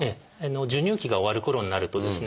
授乳期が終わるころになるとですね